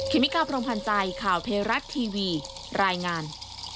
เมกาพรมพันธ์ใจข่าวเทราะทีวีรายงาน